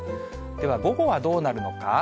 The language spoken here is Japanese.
では、午後はどうなるのか。